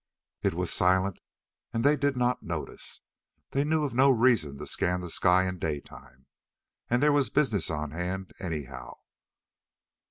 It was silent, and they did not notice. They knew of no reason to scan the sky in daytime. And there was business on hand, anyhow.